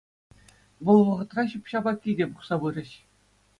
Вӑл вӑхӑтра ҫӳп-ҫапа килте пухса пырӗҫ.